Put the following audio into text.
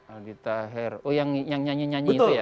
aldi taher oh yang nyanyi nyanyi itu ya